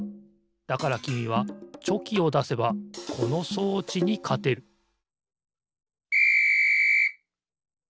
だからきみはチョキをだせばこの装置にかてるピッ！